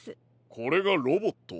これがロボット。